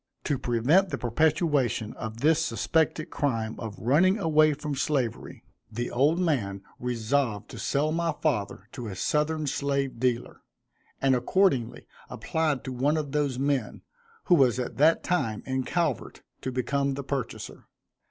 To prevent the perpetration of this suspected crime of running away from slavery, the old man resolved to sell my father to a southern slave dealer, and accordingly applied to one of those men, who was at that time in Calvert, to become the purchaser.